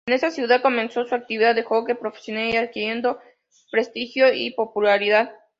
En esta ciudad comenzó su actividad de jockey profesional adquiriendo prestigio y popularidad.